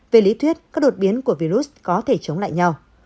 về lý thuyết các đột biến của virus có thể chống lại nhau